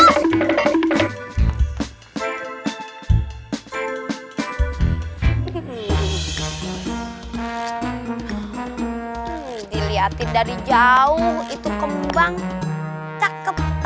hmm dilihatin dari jauh itu kembang cakep